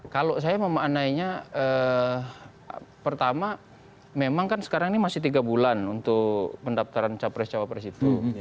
kalau saya memaknainya pertama memang kan sekarang ini masih tiga bulan untuk pendaftaran capres cawapres itu